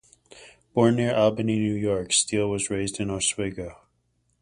Born near Albany, New York, Steele was raised in Oswego.